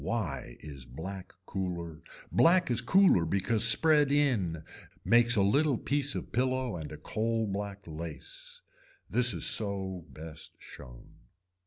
Why is black cooler, black is cooler because spread in makes a little piece of pillow and a coal black lace. This is so best shown.